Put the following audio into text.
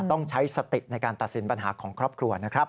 ต้องใช้สติในการตัดสินปัญหาของครอบครัวนะครับ